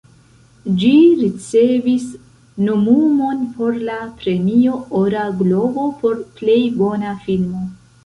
Ĝi ricevis nomumon por la Premio Ora Globo por Plej bona Filmo.